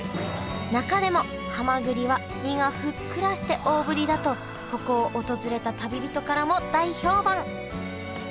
中でもはまぐりは身がふっくらして大ぶりだとここを訪れた旅人からも大評判。